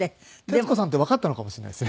徹子さんってわかったのかもしれないですね。